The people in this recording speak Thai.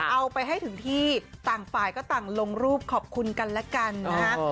เอาไปให้ถึงที่ต่างฝ่ายก็ต่างลงรูปขอบคุณกันและกันนะฮะ